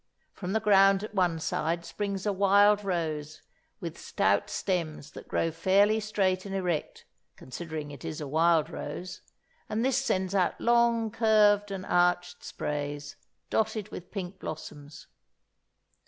From the ground at one side springs a wild rose with stout stems that grow fairly straight and erect, considering it is a wild rose, and this sends out long curved and arched sprays, dotted with pink blossoms.